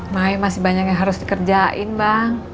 makanya masih banyak yang harus dikerjain bang